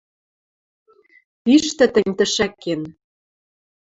Пиштӹ тӹнь тӹшӓкен